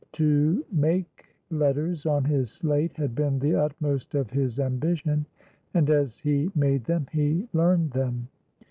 To "make letters" on his slate had been the utmost of his ambition, and as he made them he learned them.